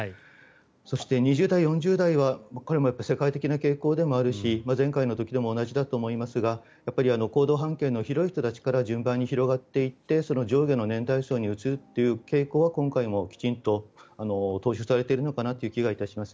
そして、２０代、４０代はこれも世界的な傾向でもあるし前回の時でも同じだと思いますがやっぱり行動半径の広い人たちから順番に広がっていってその上下の年代層にうつるという傾向は今回もきちんと踏襲されているのかなという気はします。